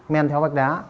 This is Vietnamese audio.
men theo vách đá